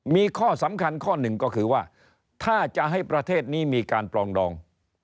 มีข้อสำคัญข้อหนึ่งก็คือว่าถ้าจะให้ประเทศนี้มีการปลองดอง